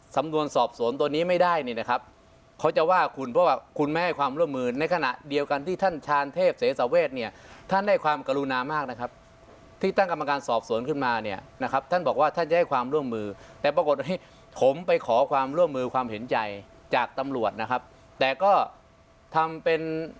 สำนวนสอบสวนตัวนี้ไม่ได้นี่นะครับเขาจะว่าคุณเพราะว่าคุณไม่ให้ความร่วมมือในขณะเดียวกันที่ท่านชาญเทพเสสาเวทเนี่ยท่านได้ความกรุณามากนะครับที่ตั้งกรรมการสอบสวนขึ้นมาเนี่ยนะครับท่านบอกว่าท่านจะให้ความร่วมมือแต่ปรากฏว่าผมไปขอความร่วมมือความเห็นใจจากตำรวจนะครับแต่ก็ทำเป็น